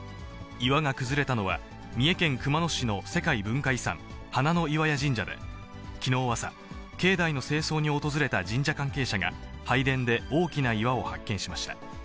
岩が崩れたのは、三重県熊野市の世界文化遺産、花の窟神社で、きのう朝、境内の清掃に訪れた神社関係者が、拝殿で大きな岩を発見しました。